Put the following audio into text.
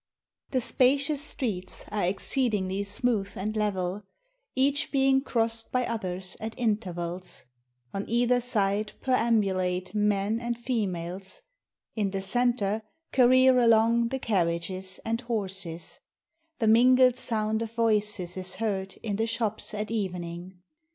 The spacious streets are exceedingly smooth and level, Each being crossed by others at intervals; On either side perambulate men and females, In the centre, career along the carriages and horses; The mingled sound of voices is heard in the shops at evening.